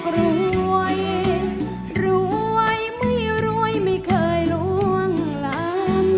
รวยรวยไม่รวยไม่เคยล่วงลาม